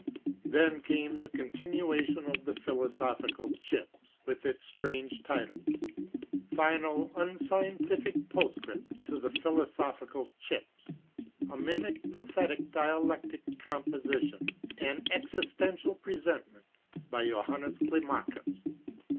Then came the continuation of the Philosophical Chips, with its strange title : Final Unscientific Postscript to the Philo sophical Chips, a mimic pathetic dialectic composition, an exis tential presentment, by Johannes Climacus (1846).